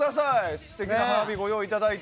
素敵な花火をご用意いただいて。